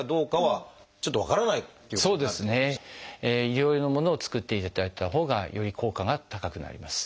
医療用のものを作っていただいたほうがより効果が高くなります。